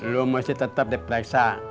lo mesti tetep di pereksa